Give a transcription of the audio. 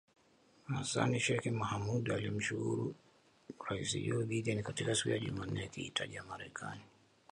Hassan Sheikh Mohamud alimshukuru Rais Joe Biden katika siku ya Jumanne akiitaja Marekani